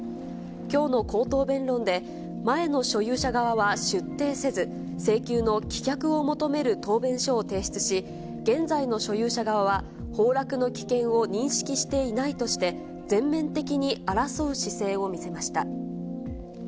きょうの口頭弁論で、前の所有者側は出廷せず、請求の棄却を求める答弁書を提出し、現在の所有者側は、崩落の危険を認識していないとして、全面的に争う姿勢を見せました。